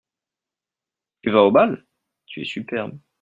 Tu vas au bal ? tu es superbe.